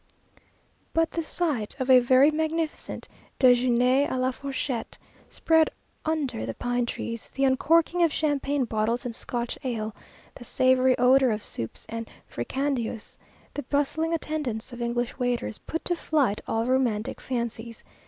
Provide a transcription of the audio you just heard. But the sight of a very magnificent déjeuné à la fourchette, spread under the pine trees, the uncorking of champagne bottles and Scotch ale, the savoury odour of soups and fricandeaus, the bustling attendance of English waiters, put to flight all romantic fancies.